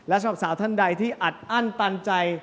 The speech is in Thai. และสำหรับสาวท่านใดที่อัดอั้นตันใจ